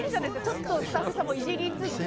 ちょっとスタッフさんもイジりつつ。